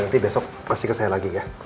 nanti besok pasti ke saya lagi ya